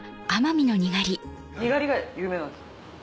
にがりが有名なんですか？